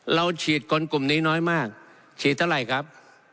เราฉีดคนกลุ่มนี้น้อยมากฉีดเท่าไหร่ครับ